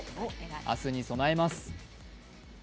明日に備えます。